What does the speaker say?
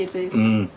うん。